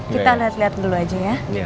kita lihat dulu aja ya